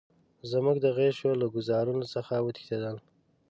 زموږ د غشیو له ګوزارونو څخه وتښتېدل.